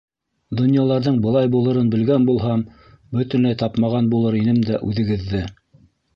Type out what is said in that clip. Донъяларҙың былай булырын белгән булһам, бөтөнләй тапмаған булыр инем дә үҙегеҙҙе.